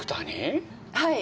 はい。